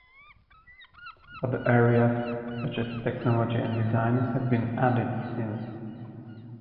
Other areas, such as technology and design, have been added since.